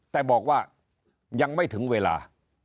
แต่บอกว่ายังไม่ถึงเวลา